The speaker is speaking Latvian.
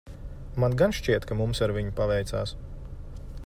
Man gan šķiet, ka mums ar viņu paveicās.